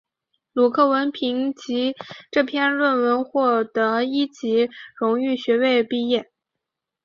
陆克文凭藉这篇论文获得一级荣誉学位毕业。